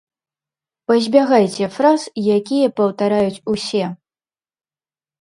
Пазбягайце фраз, якія паўтараюць усе.